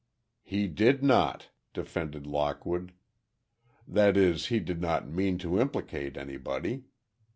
"He did not!" defended Lockwood. "That is he did not mean to implicate anybody.